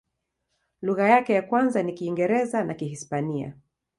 Lugha yake ya kwanza ni Kiingereza na Kihispania.